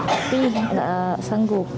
tapi tidak sanggup